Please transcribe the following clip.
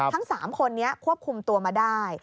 ทั้ง๓คนนี้ควบคุมตัวมาได้